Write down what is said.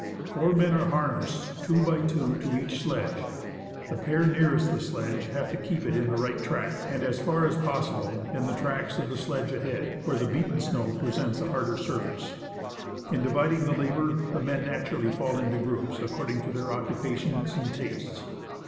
Four men are harnessed two by two 86 THE MALASPINA GLACIER to each sledge ; the pair nearest the sledge have to keep it in the right track, and as far as possible in the tracks of the sledge ahead, where the beaten snow presents a harder surface. In dividing the labour, the men naturally fall into groups according to their occupa tions and tastes.